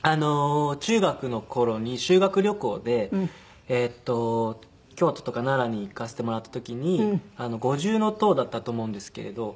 中学の頃に修学旅行で京都とか奈良に行かせてもらった時に五重塔だったと思うんですけれど。